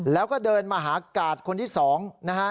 แล้วก็เดินมาหากาดคนที่๒นะฮะ